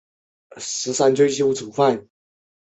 扎纳巴扎尔龙的化石发现于蒙古的纳摩盖吐组。